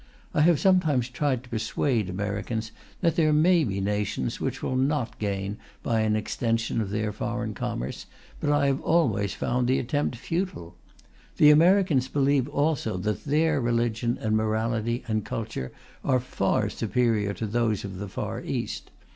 I have sometimes tried to persuade Americans that there may be nations which will not gain by an extension of their foreign commerce, but I have always found the attempt futile. The Americans believe also that their religion and morality and culture are far superior to those of the Far East.